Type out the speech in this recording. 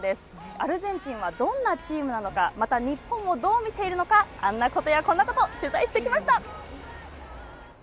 アルゼンチンは、どんなチームなのか、また日本をどう見ているのか、あんなことやこんなこと、取材してきました。